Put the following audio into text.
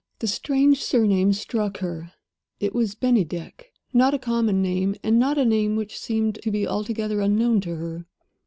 The strange surname struck her; it was "Bennydeck." Not a common name, and not a name which seemed to be altogether unknown to her.